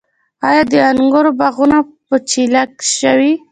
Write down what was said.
آیا د انګورو باغونه په چیله شوي؟